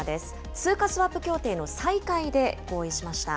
通貨スワップ協定の再開で合意しました。